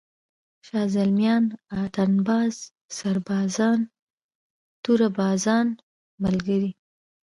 شازِلْمیان، اتڼ باز، سربازان، توره بازان ملګري!